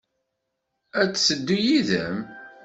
Ad d-teddu yid-m?